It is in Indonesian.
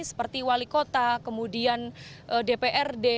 seperti wali kota kemudian dprd